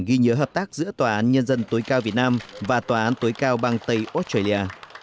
ghi nhớ hợp tác giữa tòa án nhân dân tối cao việt nam và tòa án tối cao bang tây australia